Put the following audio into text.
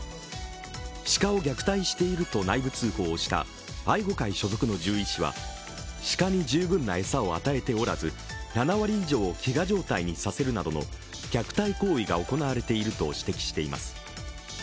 鹿を虐待していると内部通報をした愛護会所属の獣医師は鹿に十分な餌を与えておらず７割以上を飢餓状態にさせるなどの虐待が行われていると指摘します。